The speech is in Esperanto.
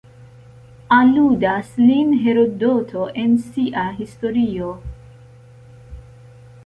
Aludas lin Herodoto en sia Historio.